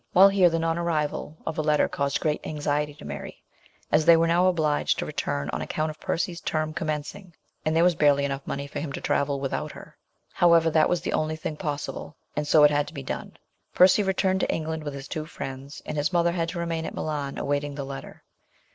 While here, the non arrival of a letter caused great anxiety to Mary, as they were now obliged to return on account of Percy's term commencing, and there was barely enough money for him to travel without her ; however, that was the only thing possible, and so it had to be done. Percy returned to England with his two friends, and his mother had to remain at Milan awaiting the letter.